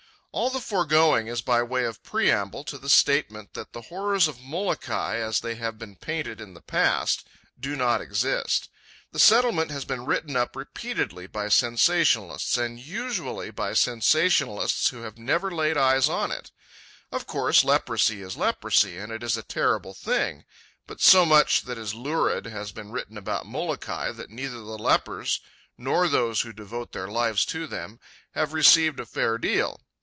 All the foregoing is by way of preamble to the statement that the horrors of Molokai, as they have been painted in the past, do not exist. The Settlement has been written up repeatedly by sensationalists, and usually by sensationalists who have never laid eyes on it. Of course, leprosy is leprosy, and it is a terrible thing; but so much that is lurid has been written about Molokai that neither the lepers, nor those who devote their lives to them, have received a fair deal.